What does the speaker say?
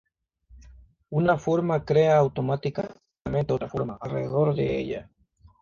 Una forma crea automáticamente otra forma alrededor de ella.